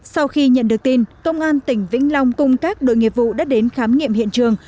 sau khi nhận được tin công an tỉnh vĩnh long cùng các đội nghiệp vụ đã đến khám nghiệm hiện trường